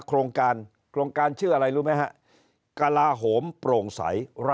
โครงการโครงการชื่ออะไรรู้ไหมฮะกระลาโหมโปร่งใส๑๐